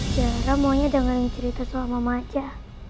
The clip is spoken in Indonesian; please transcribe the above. tiara maunya dengarin cerita soal mama aja